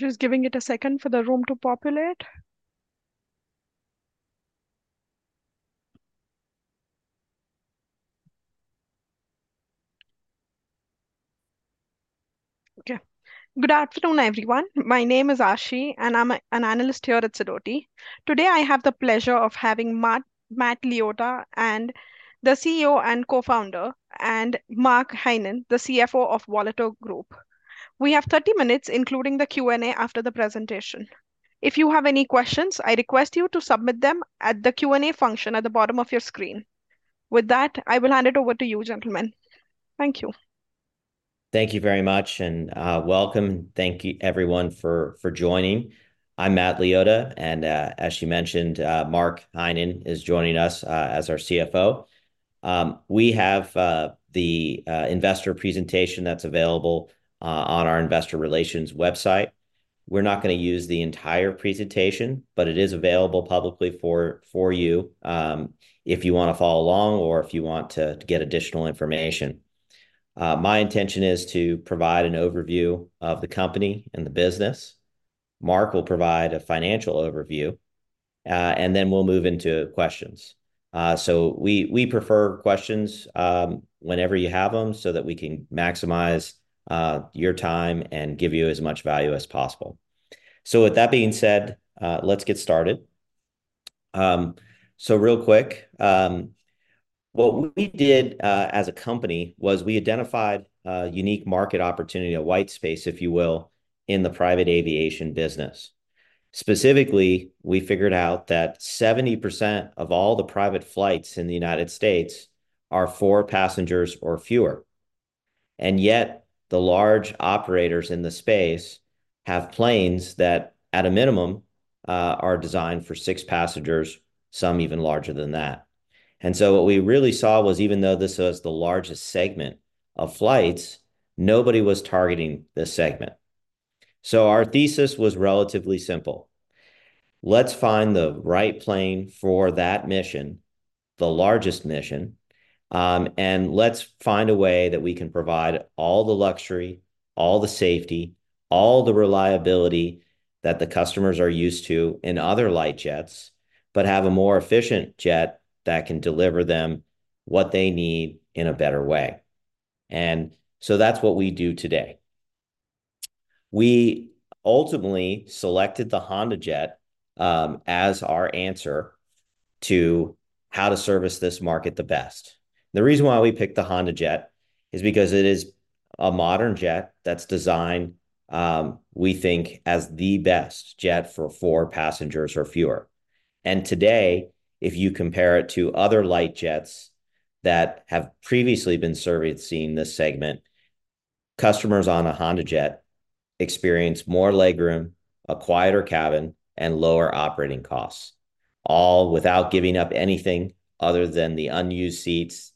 Just giving it a second for the room to populate. Okay, good afternoon everyone. My name is Aashi, and I'm an analyst here at Sidoti. Today I have the pleasure of having Matt Liotta and the CEO and Co-Founder, and Mark Heinen, the CFO of Volato Group. We have 30 minutes, including the Q&A after the presentation. If you have any questions, I request you to submit them at the Q&A function at the bottom of your screen. With that, I will hand it over to you, gentlemen. Thank you. Thank you very much, and welcome. Thank you, everyone, for joining. I'm Matt Liotta, and as Aashi mentioned, Mark Heinen is joining us as our CFO. We have the investor presentation that's available on our investor relations website. We're not going to use the entire presentation, but it is available publicly for you if you want to follow along or if you want to get additional information. My intention is to provide an overview of the company and the business. Mark will provide a financial overview, and then we'll move into questions. So we prefer questions whenever you have them so that we can maximize your time and give you as much value as possible. So with that being said, let's get started. So real quick, what we did as a company was we identified a unique market opportunity, a white space, if you will, in the private aviation business. Specifically, we figured out that 70% of all the private flights in the United States are four passengers or fewer. And yet the large operators in the space have planes that, at a minimum, are designed for six passengers, some even larger than that. And so what we really saw was even though this was the largest segment of flights, nobody was targeting this segment. So our thesis was relatively simple. Let's find the right plane for that mission, the largest mission, and let's find a way that we can provide all the luxury, all the safety, all the reliability that the customers are used to in other light jets, but have a more efficient jet that can deliver them what they need in a better way. And so that's what we do today. We ultimately selected the HondaJet as our answer to how to service this market the best. The reason why we picked the HondaJet is because it is a modern jet that's designed, we think, as the best jet for four passengers or fewer. And today, if you compare it to other light jets that have previously been servicing this segment, customers on a HondaJet experience more legroom, a quieter cabin, and lower operating costs, all without giving up anything other than the unused seats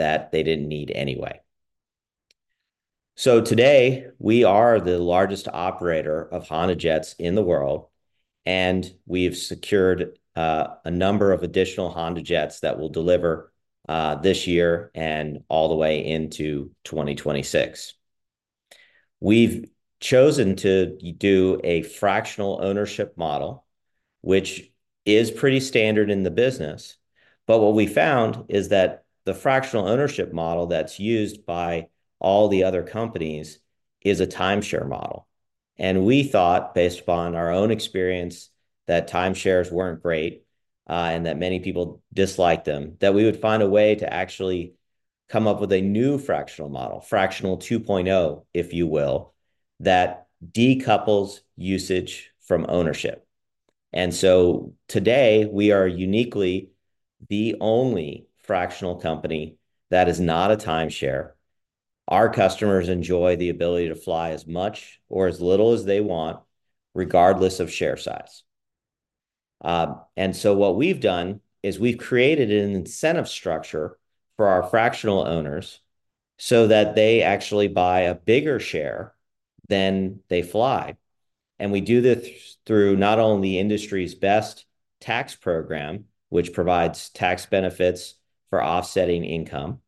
that they didn't need anyway. So today, we are the largest operator of HondaJets in the world, and we've secured a number of additional HondaJets that will deliver this year and all the way into 2026. We've chosen to do a fractional ownership model, which is pretty standard in the business, but what we found is that the fractional ownership model that's used by all the other companies is a timeshare model. We thought, based upon our own experience, that timeshares weren't great and that many people disliked them, that we would find a way to actually come up with a new fractional model, fractional 2.0, if you will, that decouples usage from ownership. So today, we are uniquely the only fractional company that is not a timeshare. Our customers enjoy the ability to fly as much or as little as they want, regardless of share size. What we've done is we've created an incentive structure for our fractional owners so that they actually buy a bigger share than they fly. We do this through not only the industry's best tax program, which provides tax benefits for offsetting income,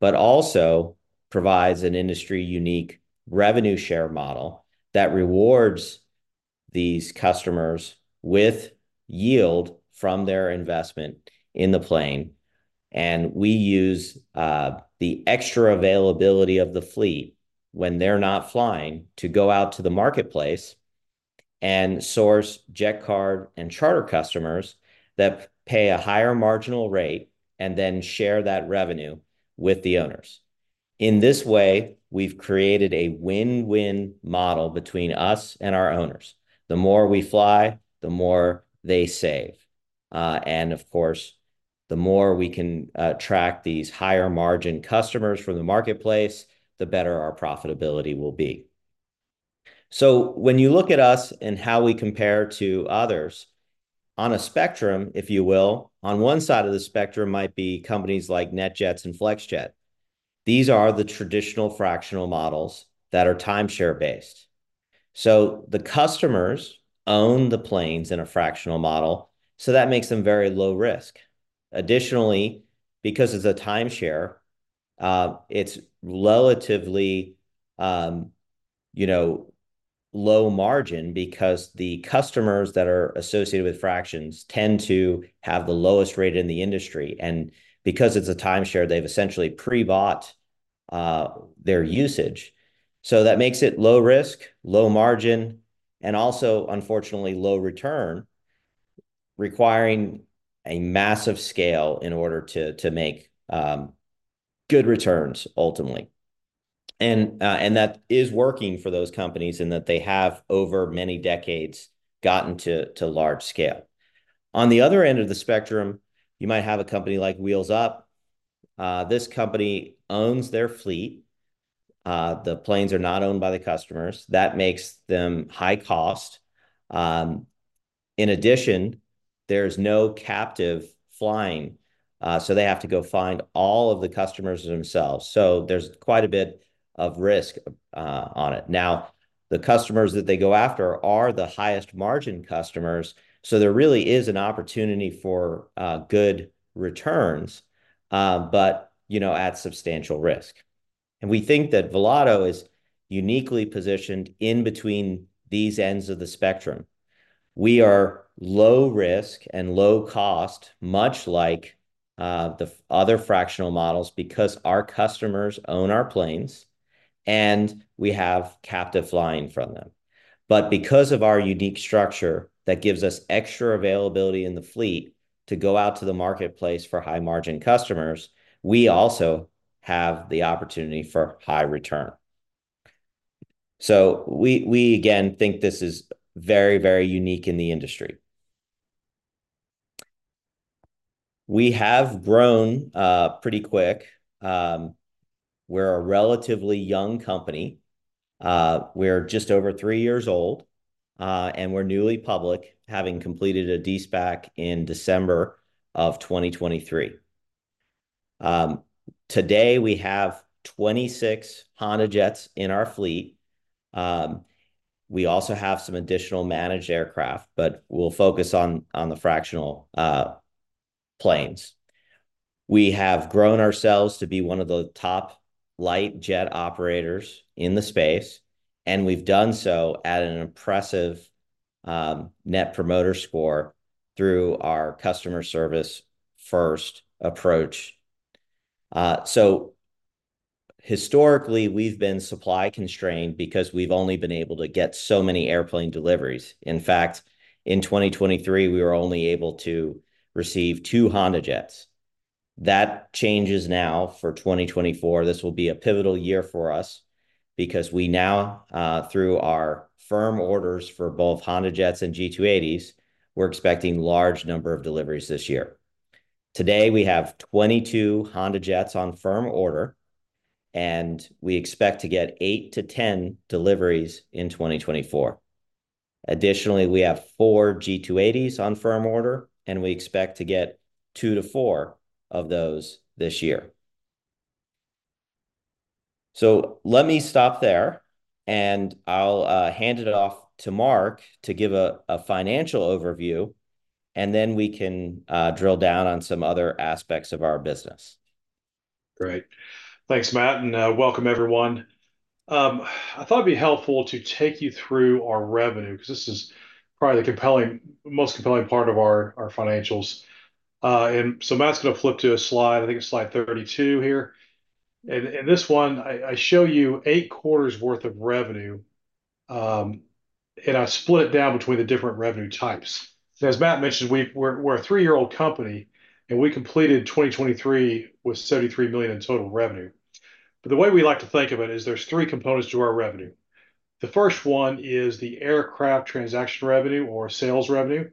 but also provides an industry-unique revenue share model that rewards these customers with yield from their investment in the plane. We use the extra availability of the fleet when they're not flying to go out to the marketplace and source jet card and charter customers that pay a higher marginal rate and then share that revenue with the owners. In this way, we've created a win-win model between us and our owners. The more we fly, the more they save. And, of course, the more we can attract these higher margin customers from the marketplace, the better our profitability will be. So when you look at us and how we compare to others, on a spectrum, if you will, on one side of the spectrum might be companies like NetJets and FlexJet. These are the traditional fractional models that are timeshare-based. So the customers own the planes in a fractional model, so that makes them very low risk. Additionally, because it's a timeshare, it's relatively low margin because the customers that are associated with fractions tend to have the lowest rate in the industry. Because it's a timeshare, they've essentially pre-bought their usage. That makes it low risk, low margin, and also, unfortunately, low return, requiring a massive scale in order to make good returns, ultimately. That is working for those companies in that they have, over many decades, gotten to large scale. On the other end of the spectrum, you might have a company like Wheels Up. This company owns their fleet. The planes are not owned by the customers. That makes them high cost. In addition, there's no captive flying, so they have to go find all of the customers themselves. There's quite a bit of risk on it. Now, the customers that they go after are the highest margin customers, so there really is an opportunity for good returns, but at substantial risk. And we think that Volato is uniquely positioned in between these ends of the spectrum. We are low risk and low cost, much like the other fractional models, because our customers own our planes and we have captive flying from them. But because of our unique structure that gives us extra availability in the fleet to go out to the marketplace for high margin customers, we also have the opportunity for high return. So we, again, think this is very, very unique in the industry. We have grown pretty quick. We're a relatively young company. We're just over three years old, and we're newly public, having completed a De-SPAC in December of 2023. Today, we have 26 HondaJets in our fleet. We also have some additional managed aircraft, but we'll focus on the fractional planes. We have grown ourselves to be one of the top light jet operators in the space, and we've done so at an impressive Net Promoter Score through our customer service-first approach. Historically, we've been supply constrained because we've only been able to get so many airplane deliveries. In fact, in 2023, we were only able to receive two HondaJets. That changes now for 2024. This will be a pivotal year for us because we now, through our firm orders for both HondaJets and G280s, we're expecting a large number of deliveries this year. Today, we have 22 HondaJets on firm order, and we expect to get eight to 10 deliveries in 2024. Additionally, we have four G280s on firm order, and we expect to get two to four of those this year. Let me stop there, and I'll hand it off to Mark to give a financial overview, and then we can drill down on some other aspects of our business. Great. Thanks, Matt. And welcome, everyone. I thought it'd be helpful to take you through our revenue because this is probably the most compelling part of our financials. And so Matt's going to flip to a slide. I think it's slide 32 here. And in this one, I show you eight quarters' worth of revenue, and I split it down between the different revenue types. As Matt mentioned, we're a three-year-old company, and we completed 2023 with $73 million in total revenue. But the way we like to think of it is there's three components to our revenue. The first one is the aircraft transaction revenue or sales revenue.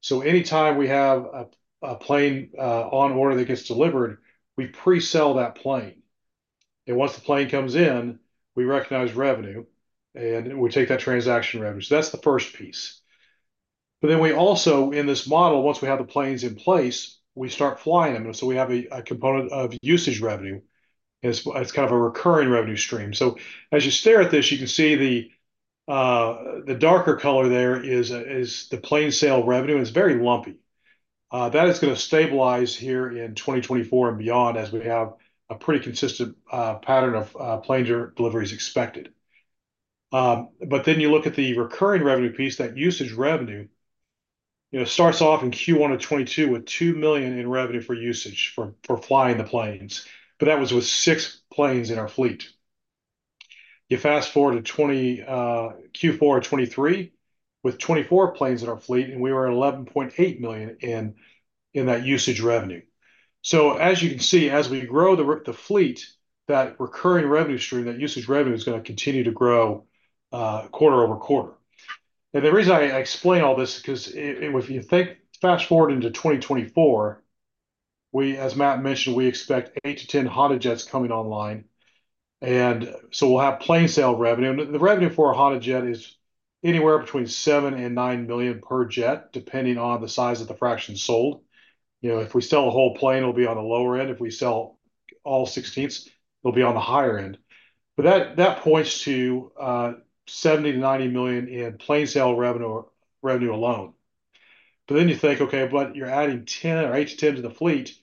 So anytime we have a plane on order that gets delivered, we presell that plane. And once the plane comes in, we recognize revenue, and we take that transaction revenue. So that's the first piece. But then we also, in this model, once we have the planes in place, we start flying them. So we have a component of usage revenue. It's kind of a recurring revenue stream. So as you stare at this, you can see the darker color there is the plane sale revenue, and it's very lumpy. That is going to stabilize here in 2024 and beyond as we have a pretty consistent pattern of plane deliveries expected. But then you look at the recurring revenue piece, that usage revenue, starts off in Q1 of 2022 with $2 million in revenue for usage for flying the planes. But that was with six planes in our fleet. You fast forward to Q4 of 2023 with 24 planes in our fleet, and we were at $11.8 million in that usage revenue. So as you can see, as we grow the fleet, that recurring revenue stream, that usage revenue is going to continue to grow quarter over quarter. And the reason I explain all this is because if you think fast forward into 2024, as Matt mentioned, we expect eight to 10 HondaJets coming online. And so we'll have plane sale revenue. The revenue for a HondaJet is anywhere between $7 milion-$9 million per jet, depending on the size of the fraction sold. If we sell a whole plane, it'll be on the lower end. If we sell all 16s, it'll be on the higher end. But that points to $70 million-$90 million in plane sale revenue alone. But then you think, okay, but you're adding 10 or eight to 10 to the fleet.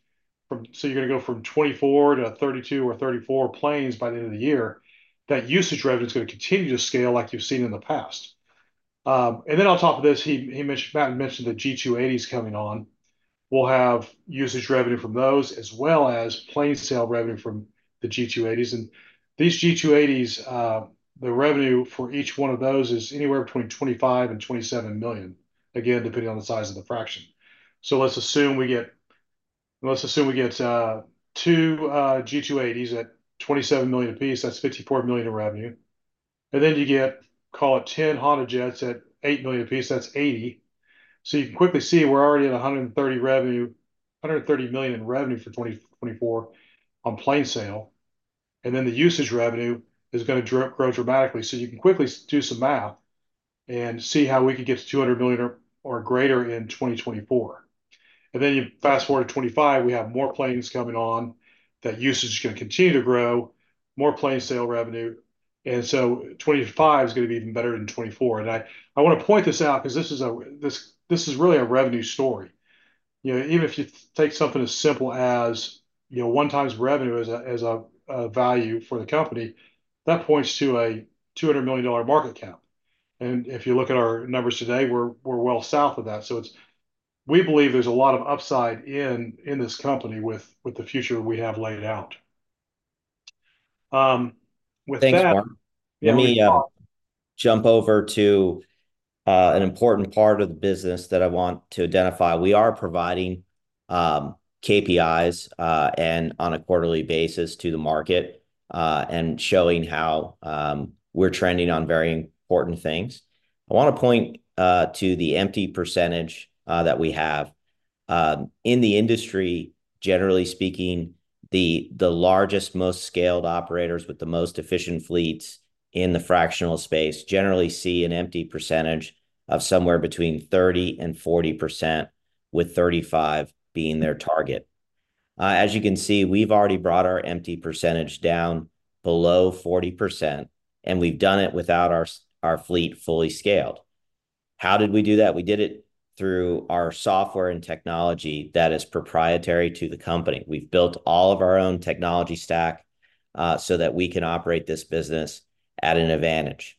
So you're going to go from 24 to 32 or 34 planes by the end of the year. That usage revenue is going to continue to scale like you've seen in the past. And then on top of this, Matt mentioned the G280s coming on. We'll have usage revenue from those as well as plane sale revenue from the G280s. And these G280s, the revenue for each one of those is anywhere between $25 million and $27 million, again, depending on the size of the fraction. So let's assume we get two G280s at $27 million apiece. That's $54 million in revenue. And then you get, call it, 10 HondaJets at $8 million apiece. That's $80 million. So you can quickly see we're already at $130 million in revenue for 2024 on plane sale. And then the usage revenue is going to grow dramatically. So you can quickly do some math and see how we could get to $200 million or greater in 2024. And then you fast forward to 2025. We have more planes coming on. That usage is going to continue to grow. More plane sale revenue. And so 2025 is going to be even better than 2024. And I want to point this out because this is really a revenue story. Even if you take something as simple as one-time revenue as a value for the company, that points to a $200 million market cap. And if you look at our numbers today, we're well south of that. So we believe there's a lot of upside in this company with the future we have laid out. With that. Thanks, Mark. Let me jump over to an important part of the business that I want to identify. We are providing KPIs on a quarterly basis to the market and showing how we're trending on very important things. I want to point to the empty percentage that we have. In the industry, generally speaking, the largest, most scaled operators with the most efficient fleets in the fractional space generally see an empty percentage of somewhere between 30% and 40%, with 35% being their target. As you can see, we've already brought our empty percentage down below 40%, and we've done it without our fleet fully scaled. How did we do that? We did it through our software and technology that is proprietary to the company. We've built all of our own technology stack so that we can operate this business at an advantage.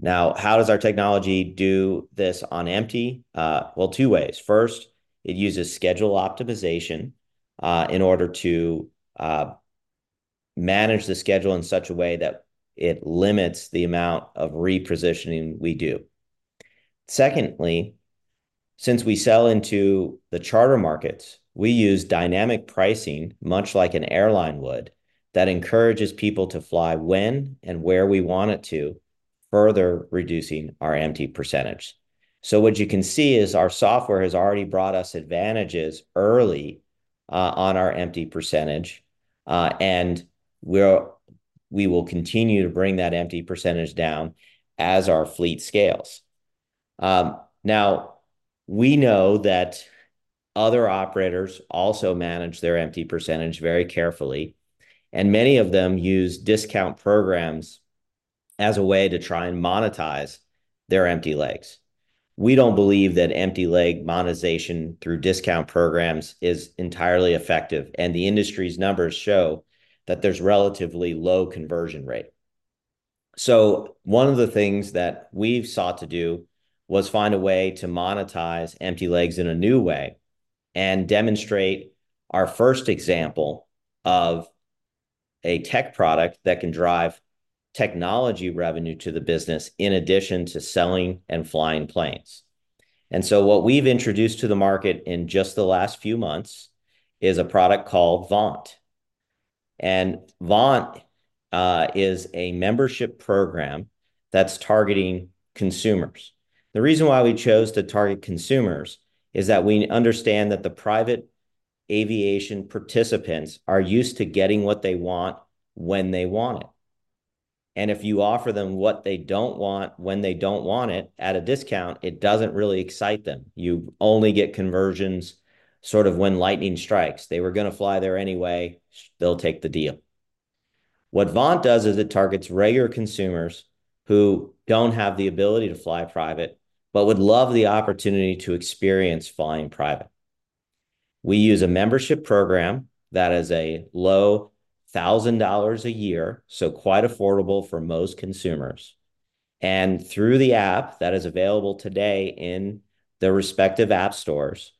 Now, how does our technology do this on empty? Well, two ways. First, it uses schedule optimization in order to manage the schedule in such a way that it limits the amount of repositioning we do. Secondly, since we sell into the charter markets, we use dynamic pricing, much like an airline would, that encourages people to fly when and where we want it to, further reducing our empty percentage. So what you can see is our software has already brought us advantages early on our empty percentage, and we will continue to bring that empty percentage down as our fleet scales. Now, we know that other operators also manage their empty percentage very carefully, and many of them use discount programs as a way to try and monetize their empty legs. We don't believe that empty leg monetization through discount programs is entirely effective, and the industry's numbers show that there's a relatively low conversion rate. So one of the things that we've sought to do was find a way to monetize empty legs in a new way and demonstrate our first example of a tech product that can drive technology revenue to the business in addition to selling and flying planes. And so what we've introduced to the market in just the last few months is a product called Vaunt. And Vaunt is a membership program that's targeting consumers. The reason why we chose to target consumers is that we understand that the private aviation participants are used to getting what they want when they want it. And if you offer them what they don't want when they don't want it at a discount, it doesn't really excite them. You only get conversions sort of when lightning strikes. They were going to fly there anyway. They'll take the deal. What Vaunt does is it targets regular consumers who don't have the ability to fly private but would love the opportunity to experience flying private. We use a membership program that is a low $1,000 a year, so quite affordable for most consumers. Through the app that is available today in the respective app stores,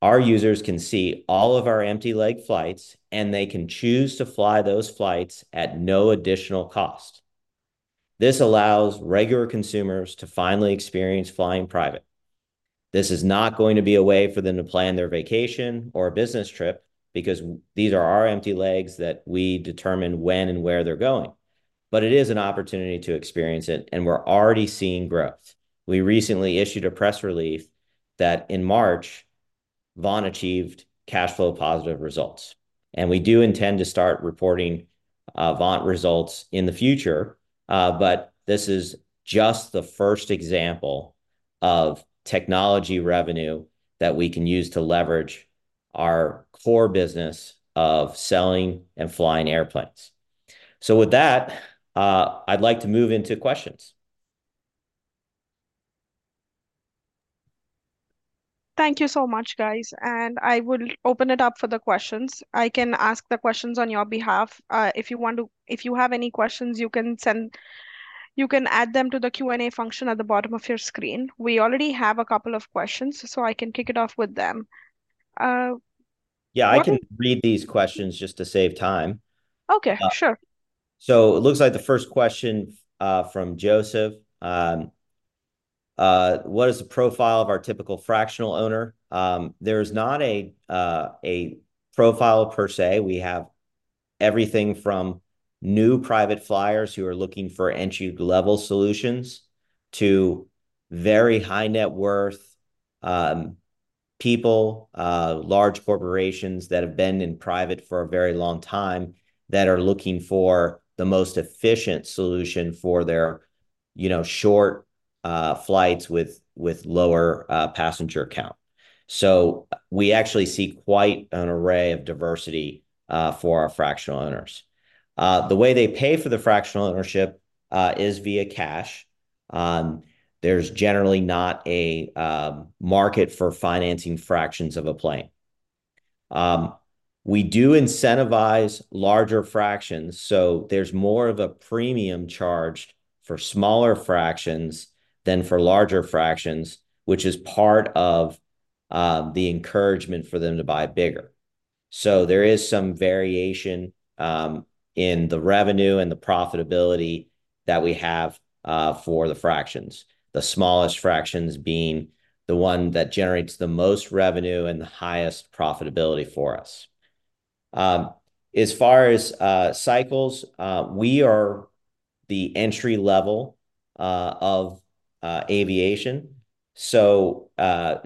our users can see all of our empty leg flights, and they can choose to fly those flights at no additional cost. This allows regular consumers to finally experience flying private. This is not going to be a way for them to plan their vacation or a business trip because these are our empty legs that we determine when and where they're going. It is an opportunity to experience it, and we're already seeing growth. We recently issued a press release that in March, Vaunt achieved cash flow positive results. We do intend to start reporting Vaunt results in the future, but this is just the first example of technology revenue that we can use to leverage our core business of selling and flying airplanes. With that, I'd like to move into questions. Thank you so much, guys. I will open it up for the questions. I can ask the questions on your behalf. If you want to, if you have any questions, you can add them to the Q&A function at the bottom of your screen. We already have a couple of questions, so I can kick it off with them. Yeah, I can read these questions just to save time. Okay, sure. So it looks like the first question from Joseph. What is the profile of our typical fractional owner? There is not a profile per se. We have everything from new private flyers who are looking for entry-level solutions to very high net worth people, large corporations that have been in private for a very long time that are looking for the most efficient solution for their short flights with lower passenger count. So we actually see quite an array of diversity for our fractional owners. The way they pay for the fractional ownership is via cash. There's generally not a market for financing fractions of a plane. We do incentivize larger fractions, so there's more of a premium charged for smaller fractions than for larger fractions, which is part of the encouragement for them to buy bigger. So there is some variation in the revenue and the profitability that we have for the fractions, the smallest fractions being the one that generates the most revenue and the highest profitability for us. As far as cycles, we are the entry level of aviation. So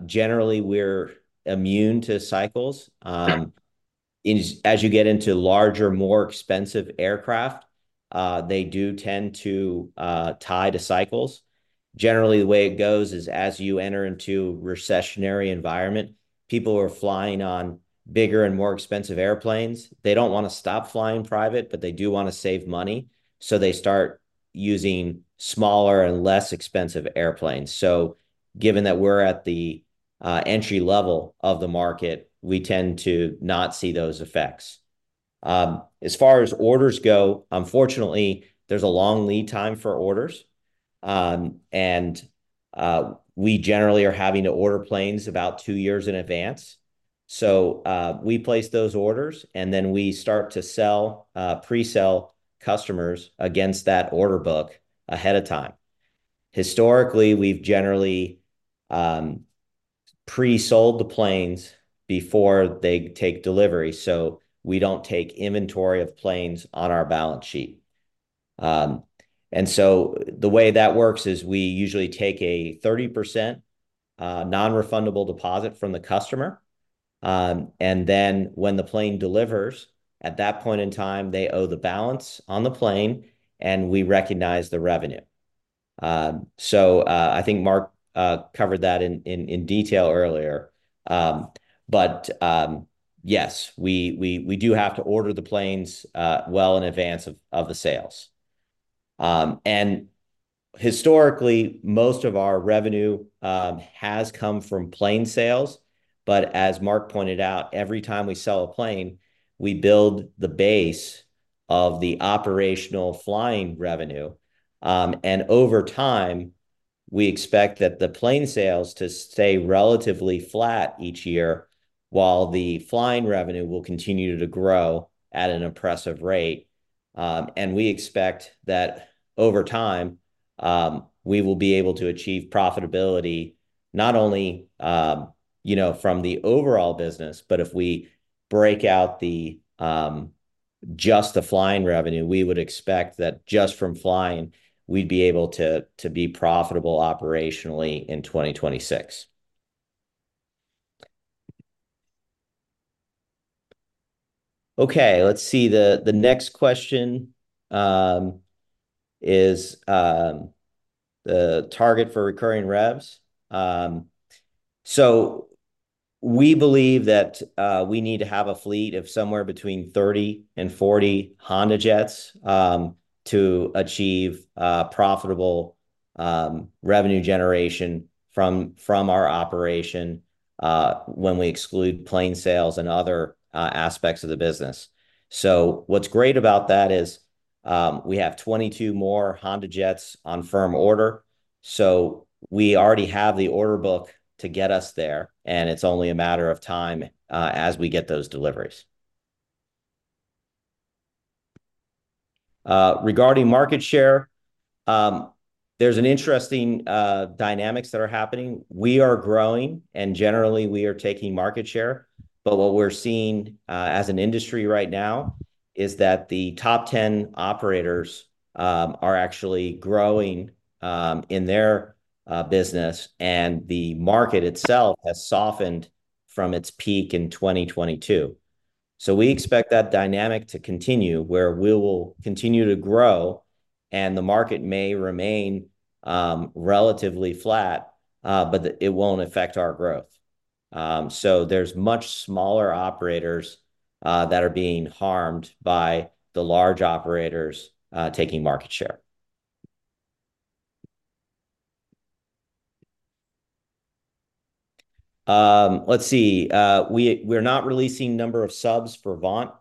generally, we're immune to cycles. As you get into larger, more expensive aircraft, they do tend to tie to cycles. Generally, the way it goes is as you enter into a recessionary environment, people are flying on bigger and more expensive airplanes. They don't want to stop flying private, but they do want to save money. So they start using smaller and less expensive airplanes. So given that we're at the entry level of the market, we tend to not see those effects. As far as orders go, unfortunately, there's a long lead time for orders. We generally are having to order planes about two years in advance. So we place those orders, and then we start to sell, presell customers against that order book ahead of time. Historically, we've generally presold the planes before they take delivery. So we don't take inventory of planes on our balance sheet. And so the way that works is we usually take a 30% non-refundable deposit from the customer. And then when the plane delivers, at that point in time, they owe the balance on the plane, and we recognize the revenue. So I think Mark covered that in detail earlier. But yes, we do have to order the planes well in advance of the sales. And historically, most of our revenue has come from plane sales. But as Mark pointed out, every time we sell a plane, we build the base of the operational flying revenue. Over time, we expect that the plane sales to stay relatively flat each year, while the flying revenue will continue to grow at an impressive rate. We expect that over time, we will be able to achieve profitability not only from the overall business, but if we break out just the flying revenue, we would expect that just from flying, we'd be able to be profitable operationally in 2026. Okay, let's see. The next question is the target for recurring revs. We believe that we need to have a fleet of somewhere between 30 and 40 HondaJets to achieve profitable revenue generation from our operation when we exclude plane sales and other aspects of the business. What's great about that is we have 22 more HondaJets on firm order. So we already have the order book to get us there, and it's only a matter of time as we get those deliveries. Regarding market share, there's an interesting dynamics that are happening. We are growing, and generally, we are taking market share. But what we're seeing as an industry right now is that the top 10 operators are actually growing in their business, and the market itself has softened from its peak in 2022. So we expect that dynamic to continue where we will continue to grow, and the market may remain relatively flat, but it won't affect our growth. So there's much smaller operators that are being harmed by the large operators taking market share. Let's see. We're not releasing a number of subs for Vaunt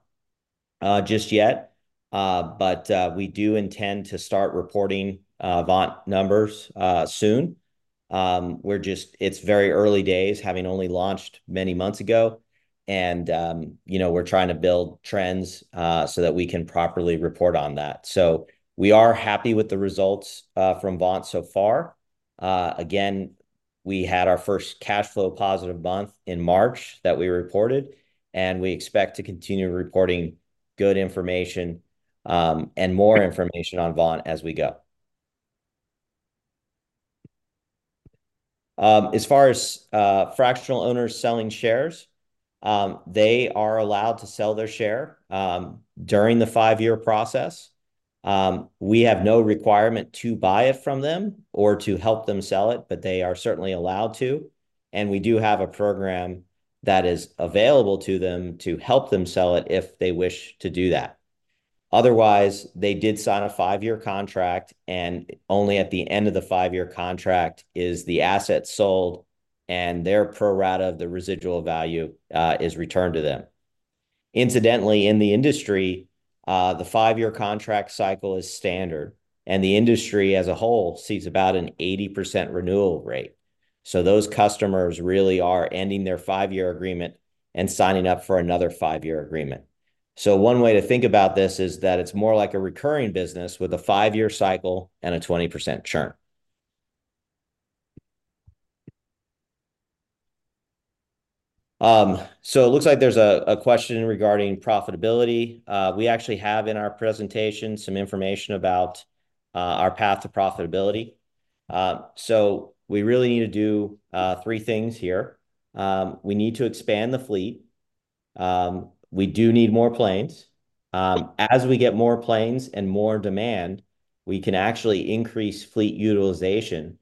just yet, but we do intend to start reporting Vaunt numbers soon. It's very early days, having only launched many months ago. We're trying to build trends so that we can properly report on that. We are happy with the results from Vaunt so far. Again, we had our first cash flow positive month in March that we reported, and we expect to continue reporting good information and more information on Vaunt as we go. As far as fractional owners selling shares, they are allowed to sell their share during the five-year process. We have no requirement to buy it from them or to help them sell it, but they are certainly allowed to. And we do have a program that is available to them to help them sell it if they wish to do that. Otherwise, they did sign a five-year contract, and only at the end of the five-year contract is the asset sold, and their pro rata of the residual value is returned to them. Incidentally, in the industry, the five-year contract cycle is standard, and the industry as a whole sees about an 80% renewal rate. So those customers really are ending their five-year agreement and signing up for another five-year agreement. So one way to think about this is that it's more like a recurring business with a five-year cycle and a 20% churn. So it looks like there's a question regarding profitability. We actually have in our presentation some information about our path to profitability. So we really need to do three things here. We need to expand the fleet. We do need more planes. As we get more planes and more demand, we can actually increase fleet utilization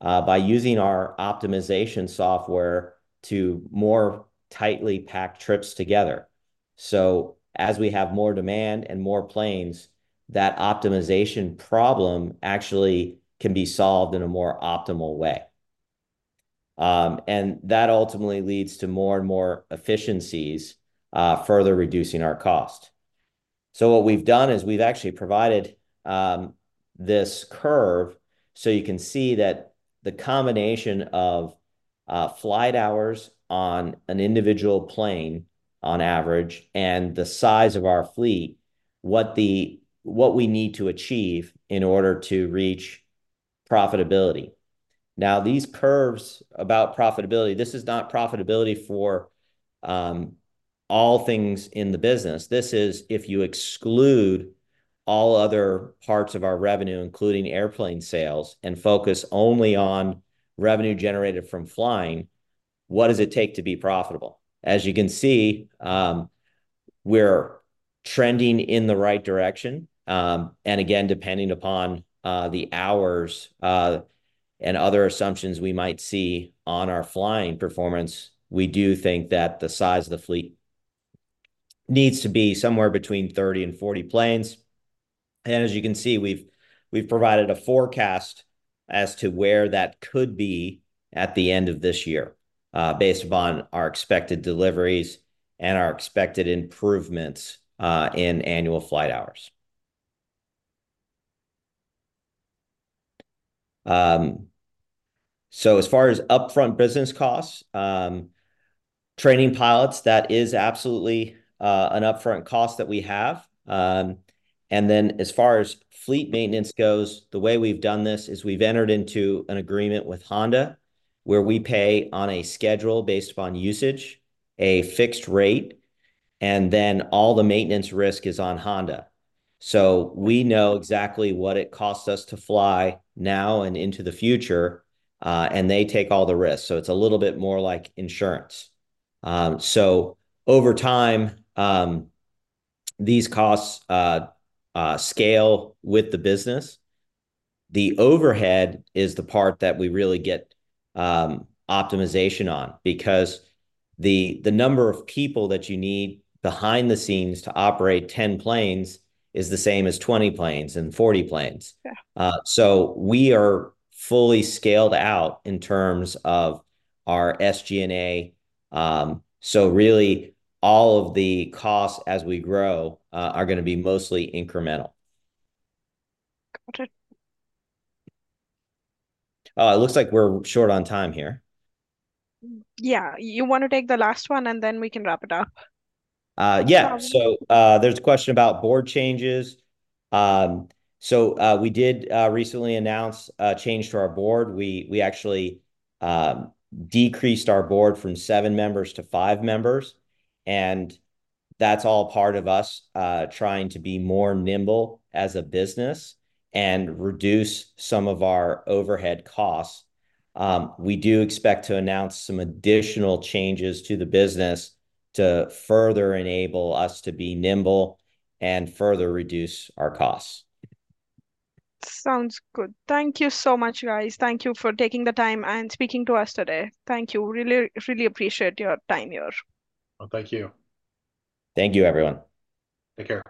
by using our optimization software to more tightly packed trips together. So as we have more demand and more planes, that optimization problem actually can be solved in a more optimal way. That ultimately leads to more and more efficiencies, further reducing our cost. What we've done is we've actually provided this curve so you can see that the combination of flight hours on an individual plane on average and the size of our fleet, what we need to achieve in order to reach profitability. Now, these curves about profitability, this is not profitability for all things in the business. This is if you exclude all other parts of our revenue, including airplane sales, and focus only on revenue generated from flying, what does it take to be profitable? As you can see, we're trending in the right direction. Again, depending upon the hours and other assumptions we might see on our flying performance, we do think that the size of the fleet needs to be somewhere between 30 and 40 planes. As you can see, we've provided a forecast as to where that could be at the end of this year based upon our expected deliveries and our expected improvements in annual flight hours. So as far as upfront business costs, training pilots, that is absolutely an upfront cost that we have. Then as far as fleet maintenance goes, the way we've done this is we've entered into an agreement with Honda where we pay on a schedule based upon usage, a fixed rate, and then all the maintenance risk is on Honda. So we know exactly what it costs us to fly now and into the future, and they take all the risks. So it's a little bit more like insurance. So over time, these costs scale with the business. The overhead is the part that we really get optimization on because the number of people that you need behind the scenes to operate 10 planes is the same as 20 planes and 40 planes. So we are fully scaled out in terms of our SG&A. So really, all of the costs as we grow are going to be mostly incremental. Got it. Oh, it looks like we're short on time here. Yeah, you want to take the last one, and then we can wrap it up? Yeah. So there's a question about board changes. So we did recently announce a change to our board. We actually decreased our board from seven members to five members. And that's all part of us trying to be more nimble as a business and reduce some of our overhead costs. We do expect to announce some additional changes to the business to further enable us to be nimble and further reduce our costs. Sounds good. Thank you so much, guys. Thank you for taking the time and speaking to us today. Thank you. Really, really appreciate your time here. Thank you. Thank you, everyone. Thank you.